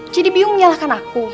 jadi biung menyalahkan aku